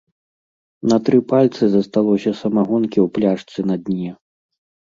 На тры пальцы засталося самагонкі ў пляшцы на дне.